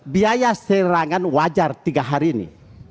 biaya serangan wajar tiga hari ini